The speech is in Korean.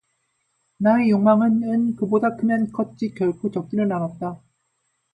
나의 욕망은 은 그보다 크면 컸지 결코 적지는 않았다.